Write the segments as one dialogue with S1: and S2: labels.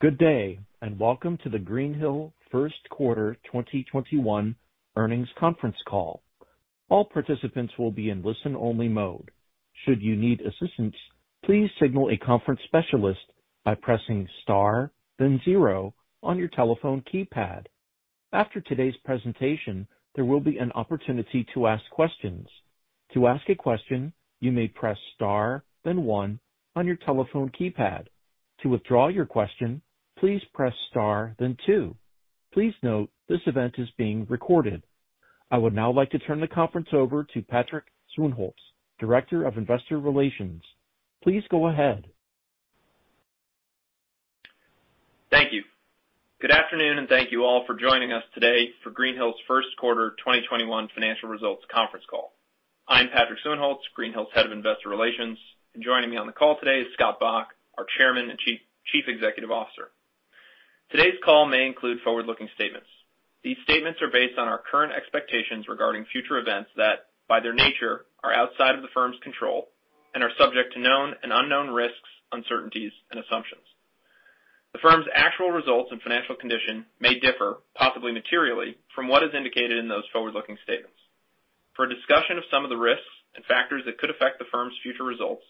S1: Good day, and welcome to the Greenhill first quarter 2021 earnings conference call. All participants will be in listen-only mode. Should you need assistance, please signal a conference specialist by pressing star then zero on your telephone keypad. After today's presentation, there will be an opportunity to ask questions. To ask a question, you may press star then one on your telephone keypad. To withdraw your question, please press star then two. Please note this event is being recorded. I would now like to turn the conference over to Patrick Suehnholz, Director of Investor Relations. Please go ahead.
S2: Thank you. Good afternoon, and thank you all for joining us today for Greenhill's first quarter 2021 financial results conference call. I'm Patrick Suehnholz, Greenhill's Head of Investor Relations, and joining me on the call today is Scott Bok, our Chairman and Chief Executive Officer. Today's call may include forward-looking statements. These statements are based on our current expectations regarding future events that, by their nature, are outside of the firm's control and are subject to known and unknown risks, uncertainties and assumptions. The firm's actual results and financial condition may differ, possibly materially, from what is indicated in those forward-looking statements. For a discussion of some of the risks and factors that could affect the firm's future results,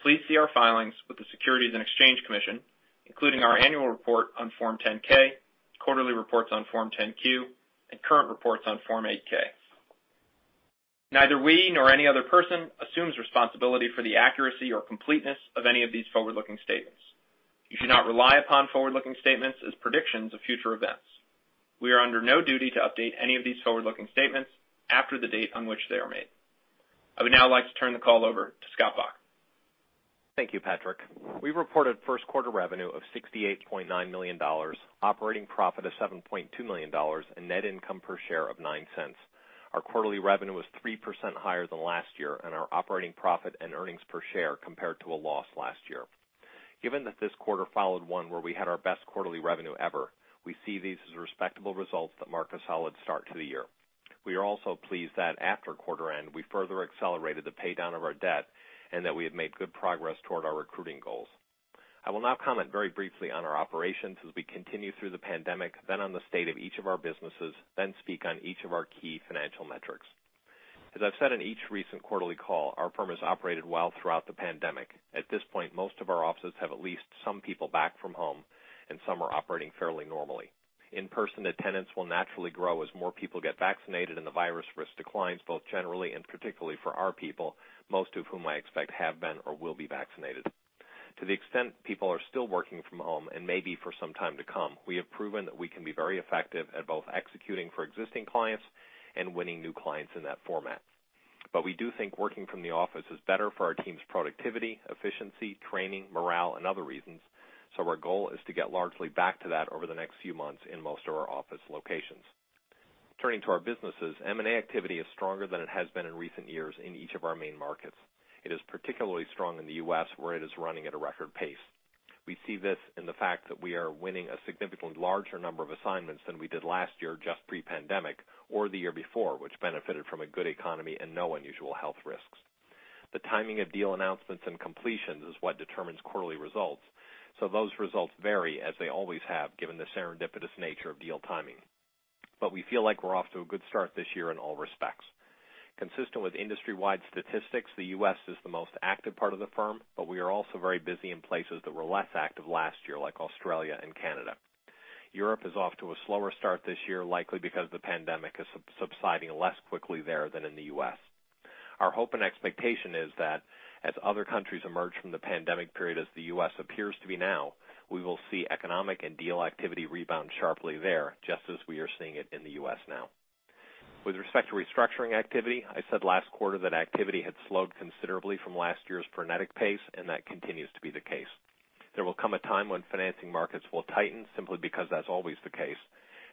S2: please see our filings with the Securities and Exchange Commission, including our annual report on Form 10-K, quarterly reports on Form 10-Q, and current reports on Form 8-K. Neither we nor any other person assumes responsibility for the accuracy or completeness of any of these forward-looking statements. You should not rely upon forward-looking statements as predictions of future events. We are under no duty to update any of these forward-looking statements after the date on which they are made. I would now like to turn the call over to Scott Bok.
S3: Thank you, Patrick. We reported first quarter revenue of $68.9 million, operating profit of $7.2 million, and net income per share of $0.09. Our quarterly revenue was 3% higher than last year, and our operating profit and earnings per share compared to a loss last year. Given that this quarter followed one where we had our best quarterly revenue ever, we see these as respectable results that mark a solid start to the year. We are also pleased that after quarter end, we further accelerated the pay-down of our debt and that we have made good progress toward our recruiting goals. I will now comment very briefly on our operations as we continue through the pandemic, then on the state of each of our businesses, then speak on each of our key financial metrics. As I've said in each recent quarterly call, our firm has operated well throughout the pandemic. At this point, most of our offices have at least some people back from home, and some are operating fairly normally. In-person attendance will naturally grow as more people get vaccinated and the virus risk declines, both generally and particularly for our people, most of whom I expect have been or will be vaccinated. To the extent people are still working from home, and maybe for some time to come, we have proven that we can be very effective at both executing for existing clients and winning new clients in that format. We do think working from the office is better for our team's productivity, efficiency, training, morale, and other reasons, so our goal is to get largely back to that over the next few months in most of our office locations. Turning to our businesses, M&A activity is stronger than it has been in recent years in each of our main markets. It is particularly strong in the U.S., where it is running at a record pace. We see this in the fact that we are winning a significantly larger number of assignments than we did last year, just pre-pandemic, or the year before, which benefited from a good economy and no unusual health risks. Those results vary as they always have, given the serendipitous nature of deal timing. We feel like we're off to a good start this year in all respects. Consistent with industry-wide statistics, the U.S. is the most active part of the firm, but we are also very busy in places that were less active last year, like Australia and Canada. Europe is off to a slower start this year, likely because the pandemic is subsiding less quickly there than in the U.S. Our hope and expectation is that as other countries emerge from the pandemic period as the U.S. appears to be now, we will see economic and deal activity rebound sharply there, just as we are seeing it in the U.S. now. With respect to restructuring activity, I said last quarter that activity had slowed considerably from last year's frenetic pace, and that continues to be the case. There will come a time when financing markets will tighten, simply because that's always the case,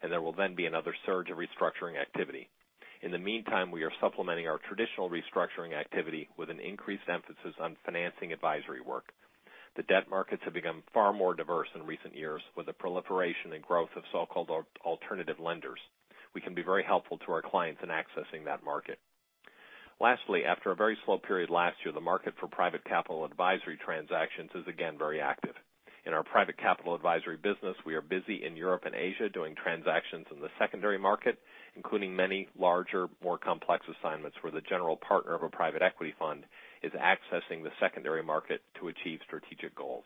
S3: and there will then be another surge of restructuring activity. In the meantime, we are supplementing our traditional restructuring activity with an increased emphasis on financing advisory work. The debt markets have become far more diverse in recent years with the proliferation and growth of so-called alternative lenders. We can be very helpful to our clients in accessing that market. Lastly, after a very slow period last year, the market for private capital advisory transactions is again very active. In our private capital advisory business, we are busy in Europe and Asia doing transactions in the secondary market, including many larger, more complex assignments where the general partner of a private equity fund is accessing the secondary market to achieve strategic goals.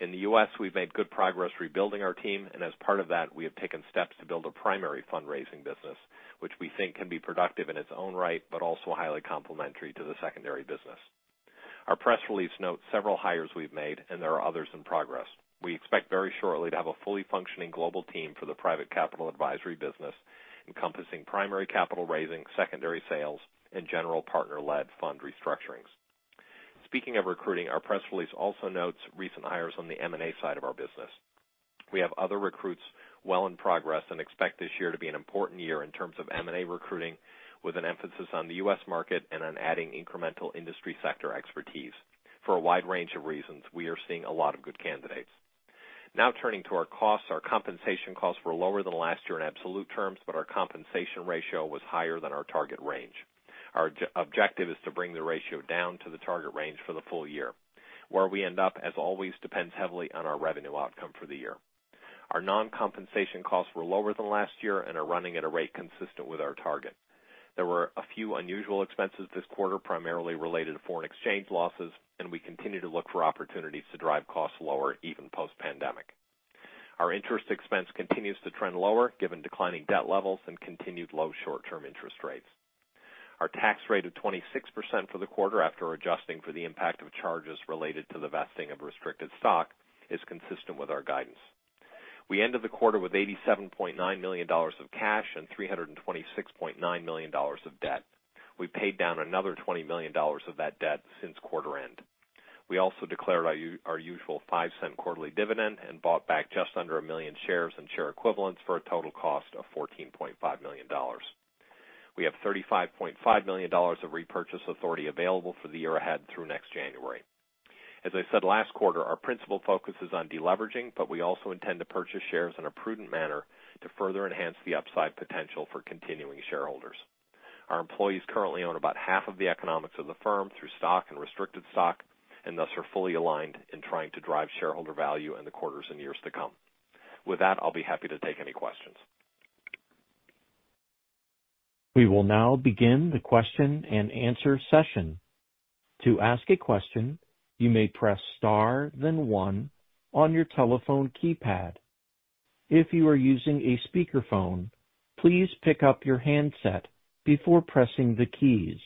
S3: In the U.S., we've made good progress rebuilding our team, and as part of that, we have taken steps to build a primary fundraising business, which we think can be productive in its own right, but also highly complementary to the secondary business. Our press release notes several hires we've made, and there are others in progress. We expect very shortly to have a fully functioning global team for the private capital advisory business, encompassing primary capital raising, secondary sales, and general partner-led fund restructurings. Speaking of recruiting, our press release also notes recent hires on the M&A side of our business. We have other recruits well in progress and expect this year to be an important year in terms of M&A recruiting with an emphasis on the U.S. market and on adding incremental industry sector expertise. For a wide range of reasons, we are seeing a lot of good candidates. Now turning to our costs. Our compensation costs were lower than last year in absolute terms, but our compensation ratio was higher than our target range. Our objective is to bring the ratio down to the target range for the full year. Where we end up, as always, depends heavily on our revenue outcome for the year. Our non-compensation costs were lower than last year and are running at a rate consistent with our target. There were a few unusual expenses this quarter, primarily related to foreign exchange losses, and we continue to look for opportunities to drive costs lower, even post-pandemic. Our interest expense continues to trend lower given declining debt levels and continued low short-term interest rates. Our tax rate of 26% for the quarter, after adjusting for the impact of charges related to the vesting of restricted stock, is consistent with our guidance. We ended the quarter with $87.9 million of cash and $326.9 million of debt. We paid down another $20 million of that debt since quarter end. We also declared our usual $0.05 quarterly dividend and bought back just under 1 million shares and share equivalents for a total cost of $14.5 million. We have $35.5 million of repurchase authority available for the year ahead through next January. As I said last quarter, our principal focus is on deleveraging, but we also intend to purchase shares in a prudent manner to further enhance the upside potential for continuing shareholders. Our employees currently own about half of the economics of the firm through stock and restricted stock, and thus are fully aligned in trying to drive shareholder value in the quarters and years to come. With that, I'll be happy to take any questions.
S1: We will now begin a Q&A session. To ask a question, you may press star then one on your telephone keypad. If you are using a speakerphone, please pick up your handset before pressing the keys.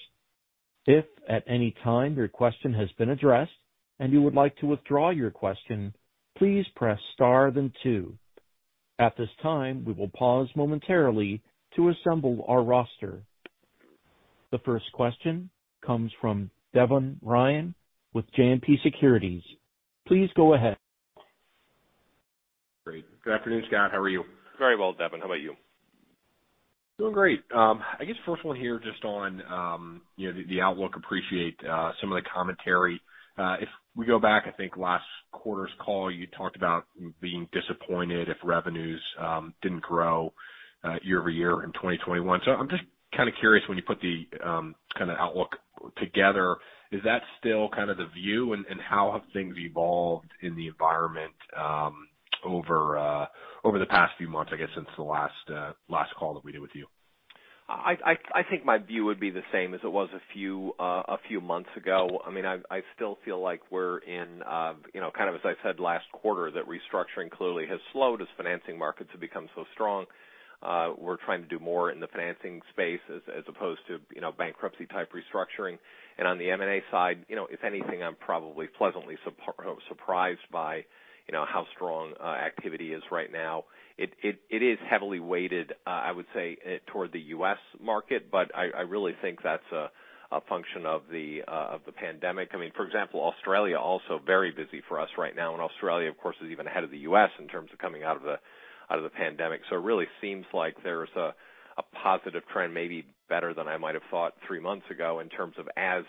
S1: If at any time your question has been addressed and you would like to withdraw your question, please press star then two. At this time, we will pause momentarily to assemble our roster. The first question comes from Devin Ryan with JMP Securities. Please go ahead.
S4: Great. Good afternoon, Scott. How are you?
S3: Very well, Devin. How about you?
S4: Doing great. I guess first one here just on the outlook. Appreciate some of the commentary. If we go back, I think last quarter's call, you talked about being disappointed if revenues didn't grow year-over-year in 2021. I'm just kind of curious, when you put the outlook together, is that still the view? How have things evolved in the environment over the past few months, I guess, since the last call that we did with you?
S3: I think my view would be the same as it was a few months ago. I still feel like we're in, kind of as I said last quarter, that restructuring clearly has slowed as financing markets have become so strong. We're trying to do more in the financing space as opposed to bankruptcy-type restructuring. On the M&A side, if anything, I'm probably pleasantly surprised by how strong activity is right now. It is heavily weighted, I would say, toward the U.S. market, I really think that's a function of the pandemic. For example, Australia, also very busy for us right now, Australia, of course, is even ahead of the U.S. in terms of coming out of the pandemic. It really seems like there's a positive trend, maybe better than I might have thought three months ago in terms of as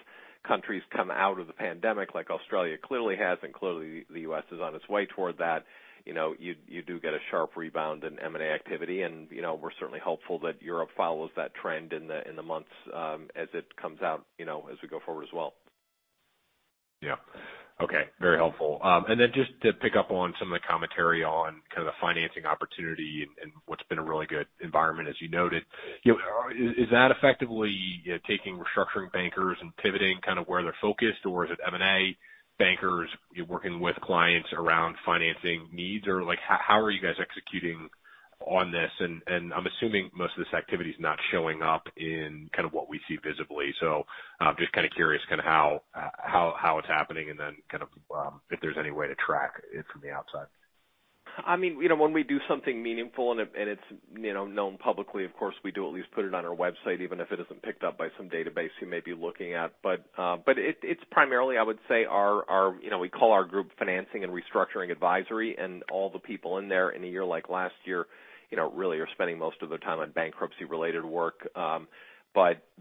S3: countries come out of the pandemic, like Australia clearly has, and clearly the U.S. is on its way toward that. You do get a sharp rebound in M&A activity. We're certainly hopeful that Europe follows that trend in the months as it comes out as we go forward as well.
S4: Yeah. Okay. Very helpful. Just to pick up on some of the commentary on kind of the financing opportunity and what's been a really good environment, as you noted. Is that effectively taking restructuring bankers and pivoting kind of where they're focused? Or is it M&A bankers working with clients around financing needs? Or how are you guys executing on this? I'm assuming most of this activity is not showing up in what we see visibly. I'm just kind of curious how it's happening, and then if there's any way to track it from the outside.
S3: When we do something meaningful and it's known publicly, of course, we do at least put it on our website, even if it isn't picked up by some database you may be looking at. It's primarily, I would say, we call our group Financing and Restructuring Advisory, and all the people in there, in a year like last year, really are spending most of their time on bankruptcy-related work.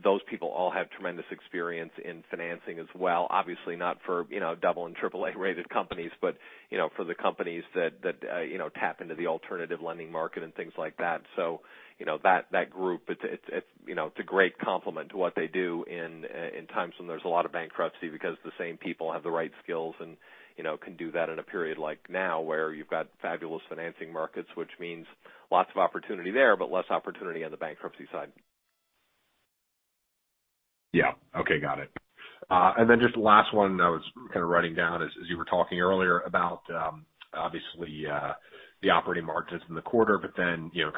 S3: Those people all have tremendous experience in financing as well. Obviously not for double and triple A-rated companies, but for the companies that tap into the alternative lending market and things like that. That group, it's a great complement to what they do in times when there's a lot of bankruptcy because the same people have the right skills and can do that in a period like now, where you've got fabulous financing markets. Means lots of opportunity there, but less opportunity on the bankruptcy side.
S4: Yeah. Okay, got it. Then just the last one I was kind of writing down as you were talking earlier about, obviously, the operating margins in the quarter, but then your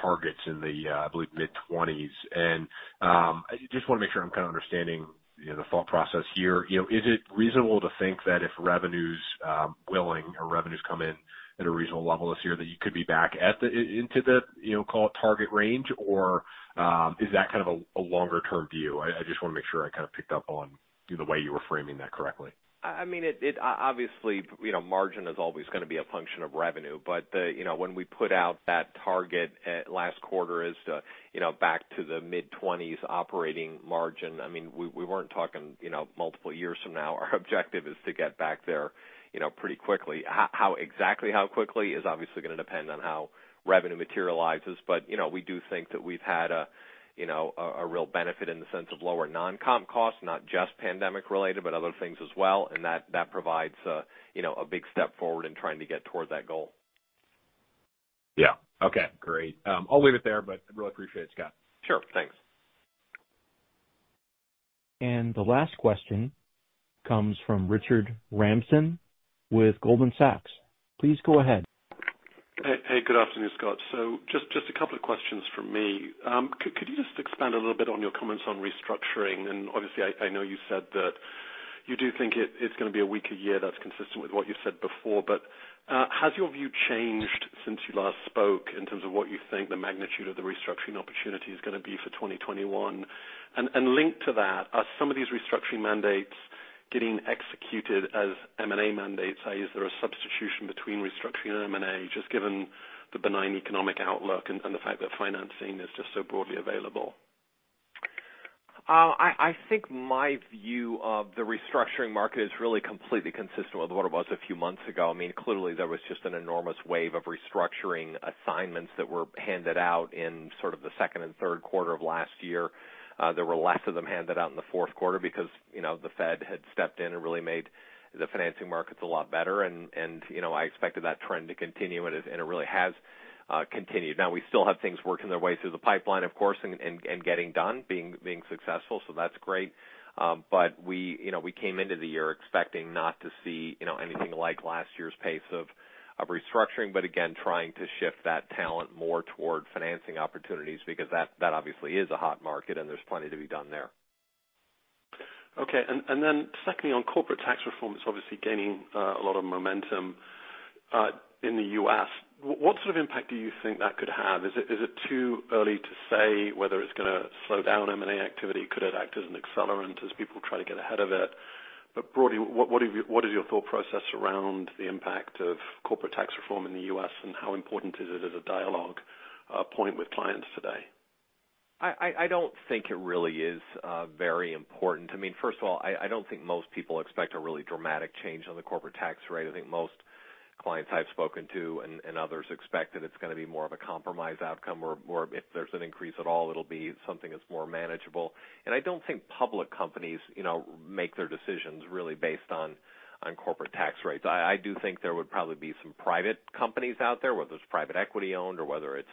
S4: targets in the, I believe, mid-twenties. I just want to make sure I'm kind of understanding the thought process here. Is it reasonable to think that if revenues billing or revenues come in at a reasonable level this year, that you could be back into the call it target range? Is that kind of a longer-term view? I just want to make sure I kind of picked up on the way you were framing that correctly.
S3: Obviously, margin is always going to be a function of revenue. When we put out that target last quarter as to back to the mid-20s operating margin, we weren't talking multiple years from now. Our objective is to get back there pretty quickly. Exactly how quickly is obviously going to depend on how revenue materializes. We do think that we've had a real benefit in the sense of lower non-comp costs, not just pandemic-related, but other things as well. That provides a big step forward in trying to get towards that goal.
S4: Yeah. Okay, great. I'll leave it there, but really appreciate it, Scott.
S3: Sure.
S4: Thanks.
S1: The last question comes from Richard Ramsden with Goldman Sachs. Please go ahead.
S5: Hey. Good afternoon, Scott. Just a couple of questions from me. Could you just expand a little bit on your comments on restructuring? Obviously, I know you said that you do think it's going to be a weaker year. That's consistent with what you've said before. Has your view changed since you last spoke in terms of what you think the magnitude of the restructuring opportunity is going to be for 2021? Linked to that, are some of these restructuring mandates getting executed as M&A mandates? Is there a substitution between restructuring and M&A, just given the benign economic outlook and the fact that financing is just so broadly available?
S3: I think my view of the restructuring market is really completely consistent with what it was a few months ago. Clearly, there was just an enormous wave of restructuring assignments that were handed out in sort of the second and third quarter of last year. There were less of them handed out in the fourth quarter because the Fed had stepped in and really made the financing markets a lot better, and I expected that trend to continue, and it really has continued. Now we still have things working their way through the pipeline, of course, and getting done, being successful. That's great. We came into the year expecting not to see anything like last year's pace of restructuring, but again, trying to shift that talent more toward financing opportunities because that obviously is a hot market and there's plenty to be done there.
S5: Okay. Then secondly, on corporate tax reform, it's obviously gaining a lot of momentum in the U.S. What sort of impact do you think that could have? Is it too early to say whether it's going to slow down M&A activity? Could it act as an accelerant as people try to get ahead of it? Broadly, what is your thought process around the impact of corporate tax reform in the U.S., and how important is it as a dialogue point with clients today?
S3: I don't think it really is very important. First of all, I don't think most people expect a really dramatic change on the corporate tax rate. I think most clients I've spoken to and others expect that it's going to be more of a compromise outcome, or if there's an increase at all, it'll be something that's more manageable. I don't think public companies make their decisions really based on corporate tax rates. I do think there would probably be some private companies out there, whether it's private equity owned or whether it's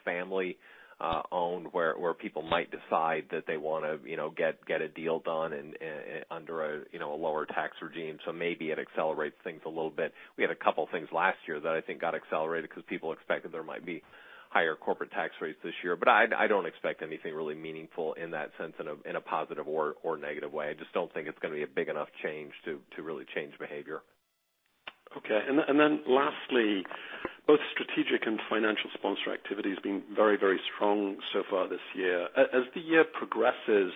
S3: family-owned, where people might decide that they want to get a deal done under a lower tax regime. Maybe it accelerates things a little bit. We had a couple things last year that I think got accelerated because people expected there might be higher corporate tax rates this year. I don't expect anything really meaningful in that sense in a positive or negative way. I just don't think it's going to be a big enough change to really change behavior.
S5: Okay. Lastly, both strategic and financial sponsor activity has been very, very strong so far this year. As the year progresses,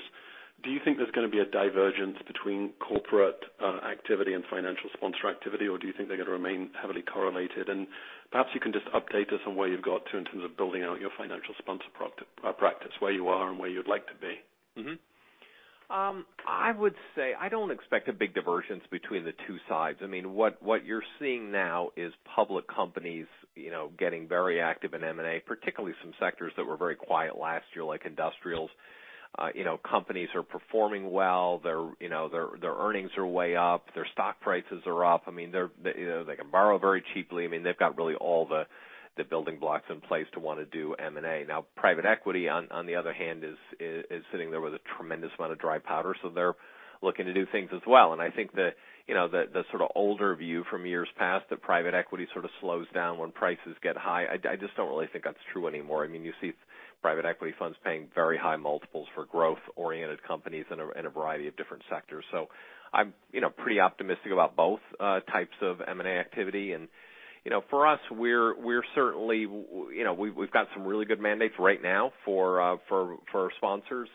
S5: do you think there's going to be a divergence between corporate activity and financial sponsor activity, or do you think they're going to remain heavily correlated? Perhaps you can just update us on where you've got to in terms of building out your financial sponsor practice, where you are and where you'd like to be.
S3: Mm-hmm. I would say I don't expect a big divergence between the two sides. What you're seeing now is public companies getting very active in M&A, particularly some sectors that were very quiet last year, like industrials. Companies are performing well. Their earnings are way up. Their stock prices are up. They can borrow very cheaply. They've got really all the building blocks in place to want to do M&A. Private equity, on the other hand, is sitting there with a tremendous amount of dry powder. They're looking to do things as well. I think the sort of older view from years past, that private equity sort of slows down when prices get high, I just don't really think that's true anymore. You see private equity funds paying very high multiples for growth-oriented companies in a variety of different sectors. I'm pretty optimistic about both types of M&A activity. For us, we've got some really good mandates right now for our sponsors.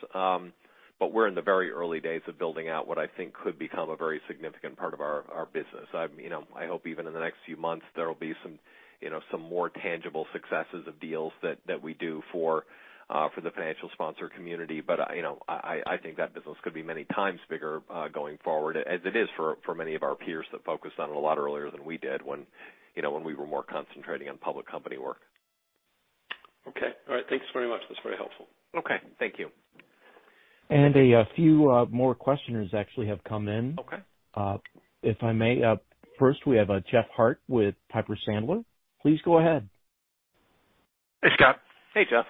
S3: We're in the very early days of building out what I think could become a very significant part of our business. I hope even in the next few months, there will be some more tangible successes of deals that we do for the financial sponsor community. I think that business could be many times bigger going forward, as it is for many of our peers that focused on it a lot earlier than we did when we were more concentrating on public company work.
S5: Okay. All right. Thanks very much. That's very helpful.
S3: Okay. Thank you.
S1: A few more questioners actually have come in.
S3: Okay.
S1: If I may, first we have Jeff Harte with Piper Sandler. Please go ahead.
S6: Hey, Scott.
S3: Hey, Jeff.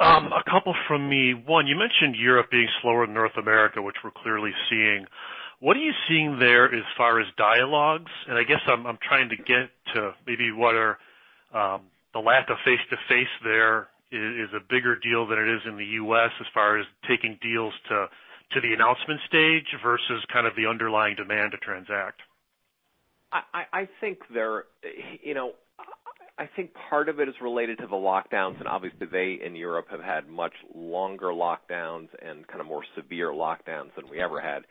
S6: A couple from me. One, you mentioned Europe being slower than North America, which we're clearly seeing. What are you seeing there as far as dialogues? I guess I'm trying to get to maybe whether the lack of face-to-face there is a bigger deal than it is in the U.S. as far as taking deals to the announcement stage versus kind of the underlying demand to transact.
S3: I think part of it is related to the lockdowns, obviously they in Europe have had much longer lockdowns and kind of more severe lockdowns than we ever had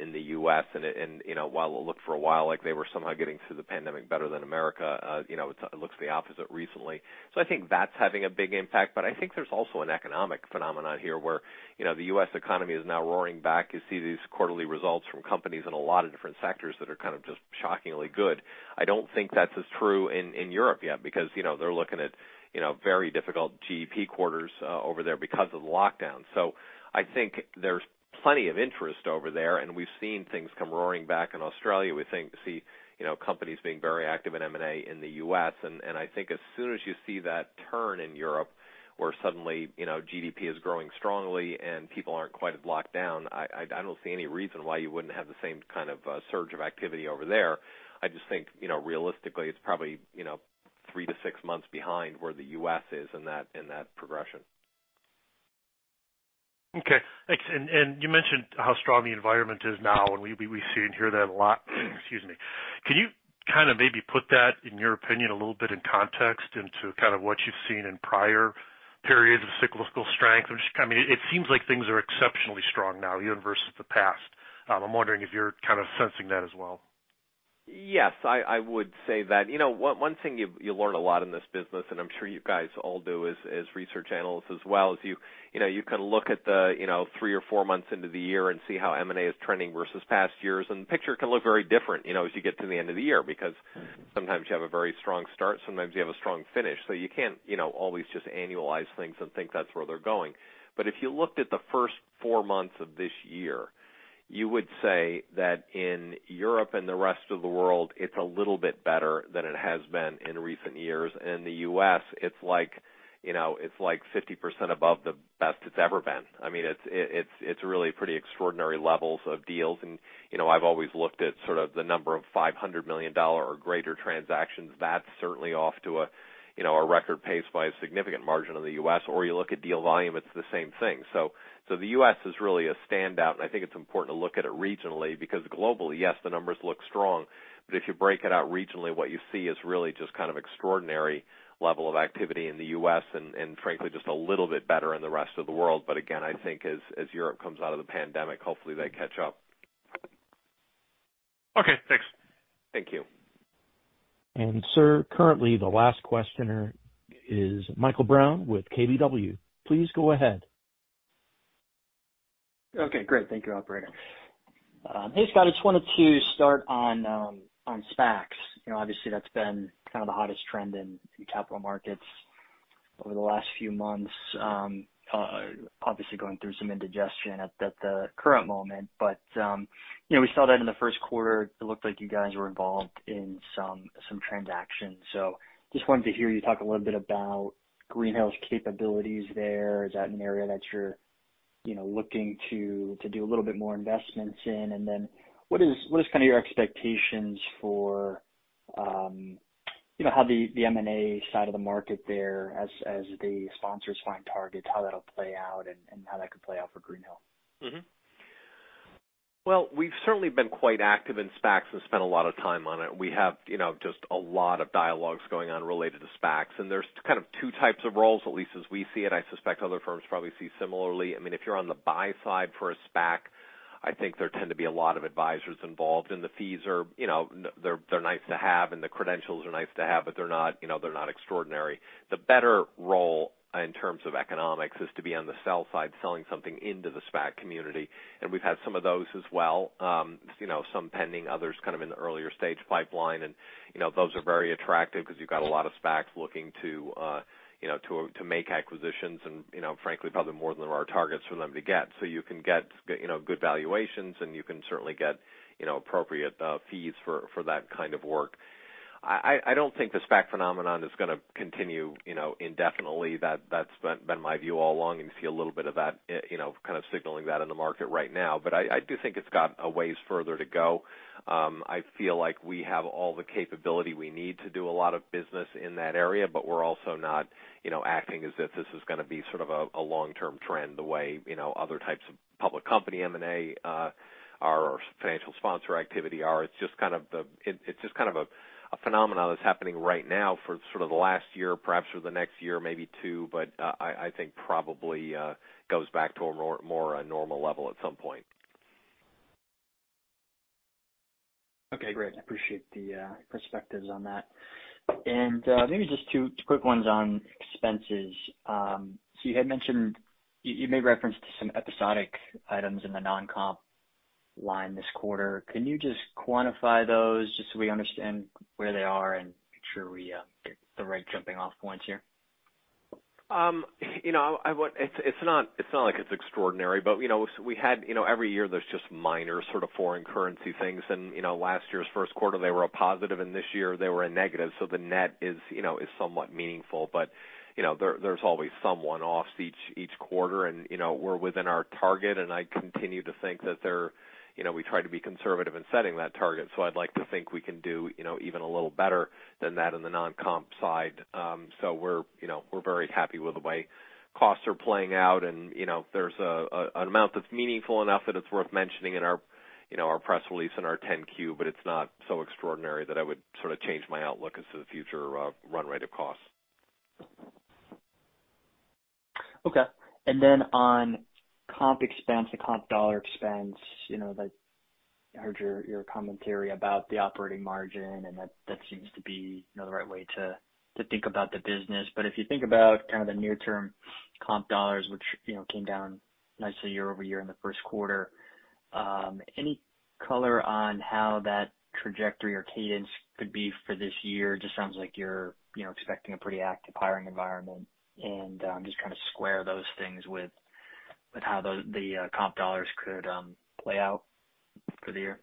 S3: in the U.S. While it looked for a while like they were somehow getting through the pandemic better than America, it looks the opposite recently. I think that's having a big impact. I think there's also an economic phenomenon here where the U.S. economy is now roaring back. You see these quarterly results from companies in a lot of different sectors that are kind of just shockingly good. I don't think that's as true in Europe yet because they're looking at very difficult GDP quarters over there because of the lockdowns. I think there's plenty of interest over there, and we've seen things come roaring back in Australia. We see companies being very active in M&A in the U.S. I think as soon as you see that turn in Europe where suddenly GDP is growing strongly and people aren't quite as locked down, I don't see any reason why you wouldn't have the same kind of surge of activity over there. I just think realistically, it's probably three to six months behind where the U.S. is in that progression.
S6: Okay, thanks. You mentioned how strong the environment is now, and we see and hear that a lot. Excuse me. Can you maybe put that, in your opinion, a little bit in context into what you've seen in prior periods of cyclical strength? It seems like things are exceptionally strong now, even versus the past. I'm wondering if you're sensing that as well.
S3: Yes, I would say that. One thing you learn a lot in this business, and I'm sure you guys all do as research analysts as well, is you can look at the three or four months into the year and see how M&A is trending versus past years, and the picture can look very different as you get to the end of the year, because sometimes you have a very strong start, sometimes you have a strong finish. You can't always just annualize things and think that's where they're going. If you looked at the first four months of this year, you would say that in Europe and the rest of the world, it's a little bit better than it has been in recent years. In the U.S., it's like 50% above the best it's ever been. It's really pretty extraordinary levels of deals, and I've always looked at sort of the number of $500 million or greater transactions. That's certainly off to a record pace by a significant margin in the U.S. You look at deal volume, it's the same thing. The U.S. is really a standout, and I think it's important to look at it regionally, because globally, yes, the numbers look strong. If you break it out regionally, what you see is really just kind of extraordinary level of activity in the U.S. and frankly, just a little bit better in the rest of the world. Again, I think as Europe comes out of the pandemic, hopefully they catch up.
S6: Okay, thanks.
S3: Thank you.
S1: Sir, currently the last questioner is Michael Brown with KBW. Please go ahead.
S7: Okay, great. Thank you, operator. Hey, Scott, I just wanted to start on SPACs. Obviously, that's been kind of the hottest trend in capital markets over the last few months. Obviously going through some indigestion at the current moment. We saw that in the first quarter, it looked like you guys were involved in some transactions. Just wanted to hear you talk a little bit about Greenhill's capabilities there. Is that an area that you're looking to do a little bit more investments in? What is your expectations for how the M&A side of the market there, as the sponsors find targets, how that'll play out and how that could play out for Greenhill?
S3: Well, we've certainly been quite active in SPACs and spent a lot of time on it. We have just a lot of dialogues going on related to SPACs. There's kind of two types of roles, at least as we see it. I suspect other firms probably see similarly. If you're on the buy side for a SPAC, I think there tend to be a lot of advisors involved. The fees are nice to have, and the credentials are nice to have, but they're not extraordinary. The better role in terms of economics is to be on the sell side, selling something into the SPAC community. We've had some of those as well. Some pending, others kind of in the earlier stage pipeline. Those are very attractive because you've got a lot of SPACs looking to make acquisitions and frankly, probably more than there are targets for them to get. You can get good valuations and you can certainly get appropriate fees for that kind of work. I don't think the SPAC phenomenon is going to continue indefinitely. That's been my view all along, and you see a little bit of that kind of signaling that in the market right now. I do think it's got a ways further to go. I feel like we have all the capability we need to do a lot of business in that area, but we're also not acting as if this is going to be sort of a long-term trend the way other types of public company M&A or financial sponsor activity are. It's just kind of a phenomenon that's happening right now for sort of the last year, perhaps for the next year, maybe two, but I think probably goes back to a more normal level at some point.
S7: Okay, great. Appreciate the perspectives on that. Maybe just two quick ones on expenses. You made reference to some episodic items in the non-comp line this quarter. Can you just quantify those just so we understand where they are and make sure we get the right jumping off points here?
S3: It's not like it's extraordinary, but every year there's just minor sort of foreign currency things. Last year's first quarter, they were a positive, and this year they were a negative. The net is somewhat meaningful. There's always some one-offs each quarter, and we're within our target, and I continue to think that we try to be conservative in setting that target. I'd like to think we can do even a little better than that in the non-comp side. We're very happy with the way costs are playing out and there's an amount that's meaningful enough that it's worth mentioning in our press release and our 10-Q, but it's not so extraordinary that I would sort of change my outlook as to the future run rate of costs.
S7: Okay. On comp expense and comp dollar expense, I heard your commentary about the operating margin and that seems to be the right way to think about the business. If you think about kind of the near term comp dollars, which came down nicely year-over-year in the first quarter, any color on how that trajectory or cadence could be for this year? Sounds like you're expecting a pretty active hiring environment and just kind of square those things with how the comp dollars could play out for the year.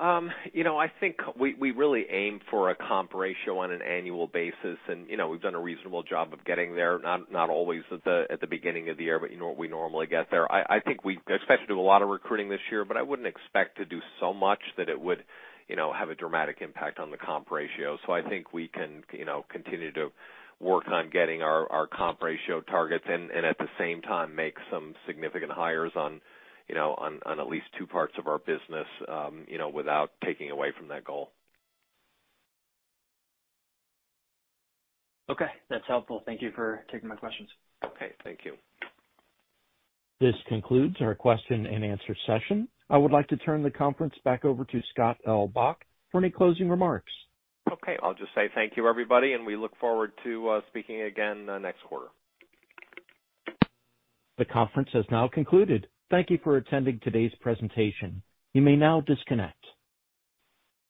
S3: I think we really aim for a comp ratio on an annual basis, and we've done a reasonable job of getting there. Not always at the beginning of the year, but we normally get there. I think we expect to do a lot of recruiting this year, but I wouldn't expect to do so much that it would have a dramatic impact on the comp ratio. I think we can continue to work on getting our comp ratio targets and at the same time make some significant hires on at least two parts of our business without taking away from that goal.
S7: Okay, that's helpful. Thank you for taking my questions.
S3: Okay, thank you.
S1: This concludes our Q&A session. I would like to turn the conference back over to Scott L. Bok for any closing remarks.
S3: Okay. I'll just say thank you everybody, and we look forward to speaking again next quarter.
S1: The conference has now concluded. Thank you for attending today's presentation. You may now disconnect.